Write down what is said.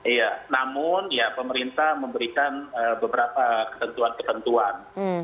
iya namun ya pemerintah memberikan beberapa ketentuan ketentuan